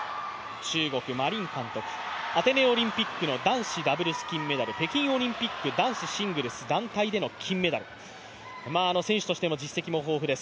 中国、馬琳監督、アテネオリンピック、北京オリンピック、男子シングルス団体での金メダル、選手としての実績も豊富です。